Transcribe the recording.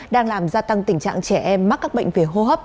đang làm gia tăng tình trạng trẻ em mắc các bệnh về hô hấp